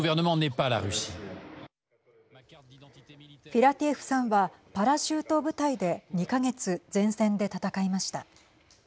フィラティエフさんはパラシュート部隊で２か月前線で戦いました。